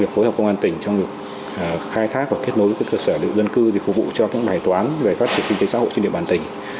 việc phối hợp công an tỉnh trong việc khai thác và kết nối với cơ sở lượng dân cư để phục vụ cho bài toán về phát triển kinh tế xã hội trên địa bàn tỉnh